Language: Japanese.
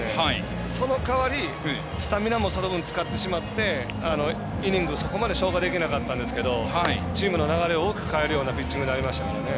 その代わりスタミナもその分使ってしまってイニングそこまで消化できなかったんですがチームの勢いを変えるピッチングになりましたからね。